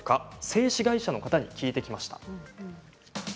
製紙会社の方に聞きました。